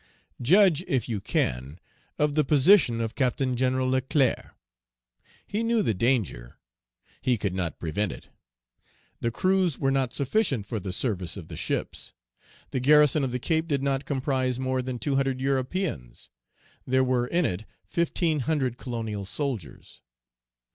Judge, if you can, of the position of Captain General Leclerc; he knew the danger, he could not prevent it. The crews were not sufficient for the service of the ships. The garrison of the Cape did not comprise more than two hundred Europeans; there were in it fifteen hundred colonial soldiers.